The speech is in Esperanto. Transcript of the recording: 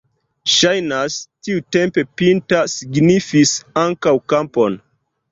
Ŝajnas, tiutempe pinta signifis ankaŭ kampon.